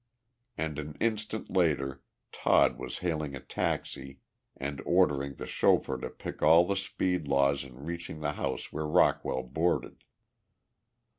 And an instant later Todd was hailing a taxi and ordering the chauffeur to break all the speed laws in reaching the house where Rockwell boarded.